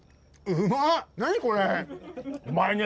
うまいね。